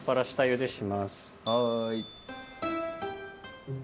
はい。